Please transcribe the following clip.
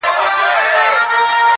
چي زه هم لکه بوډا ورته ګویا سم-